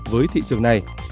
với thị trường này